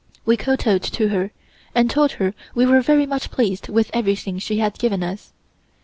We kowtowed to her, and told her we were very much pleased with everything she had given us.